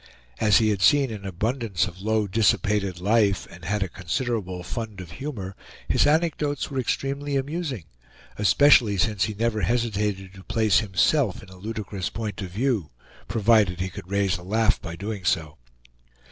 As he had seen an abundance of low dissipated life, and had a considerable fund of humor, his anecdotes were extremely amusing, especially since he never hesitated to place himself in a ludicrous point of view, provided he could raise a laugh by doing so.